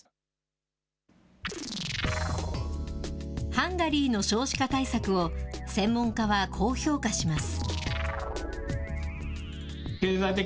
ハンガリーの少子化対策を専門家はこう評価します。